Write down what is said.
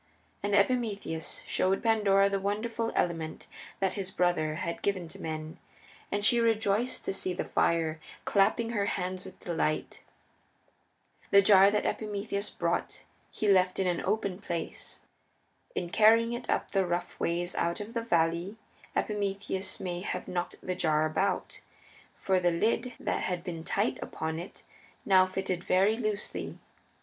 And Epimetheus showed Pandora the wonderful element that his brother had given to men, and she rejoiced to see the fire, clapping her hands with delight. The jar that Epimetheus brought he left in an open place. In carrying it up the rough ways out of the valley Epimetheus may have knocked the jar about, for the lid that had been tight upon it now fitted very loosely.